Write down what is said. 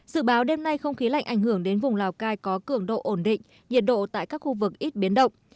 dự báo đêm nay không khí lạnh ảnh hưởng đến vùng lào cai có cường độ ổn định nhiệt độ tại các khu vực ít biến động